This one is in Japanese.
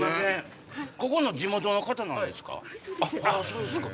ここの地元の方なんですか？